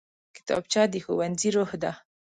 کتابچه د ښوونځي روح ده